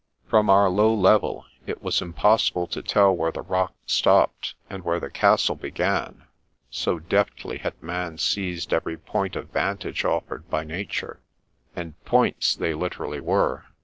From our low level, it was im possible to tell where the rock stopped, and where the castle began, so deftly had man seized every point of vantage offered by Nature — and " points " they literally were.